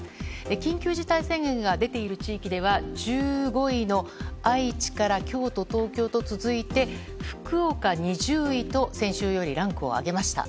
緊急事態宣言が出ている地域では１５位の愛知から京都、東京と続いて福岡２０位と先週よりランクを上げました。